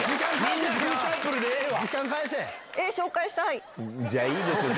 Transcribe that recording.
いいよ！